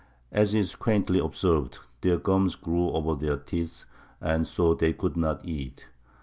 As is quaintly observed, "their gums grew over their teeth, and so they could not eat."